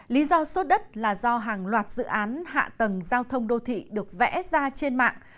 lý do sốt đất là do hàng loạt dự án hạ tầng giao thông đô thị được vẽ ra trên mạng